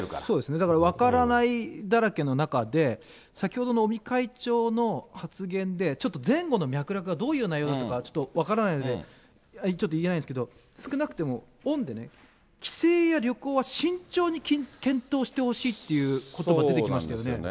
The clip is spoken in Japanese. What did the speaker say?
だから分からないだらけの中で、先ほどの尾身会長の発言で、ちょっと前後の脈絡がどういう内容だったか分からないので、ちょっと言えないんですけど、少なくとも、オンで、帰省や旅行は慎重に検討してほしいっていうことば、出てきましたよね。